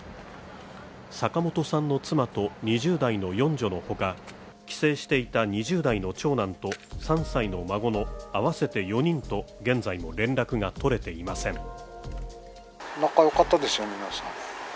坂本さんの妻と２０代の四女のほか、帰省していた２０代の長男と３歳の孫の合わせて４人と現在も連絡が取れていません。